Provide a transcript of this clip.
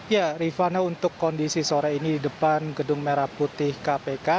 ya rifana untuk kondisi sore ini di depan gedung merah putih kpk